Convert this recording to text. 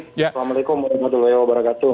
assalamualaikum warahmatullahi wabarakatuh